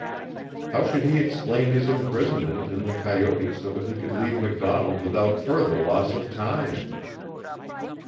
How should he explain his imprisonment in the coyote so that he could leave MacDonald without further loss of time?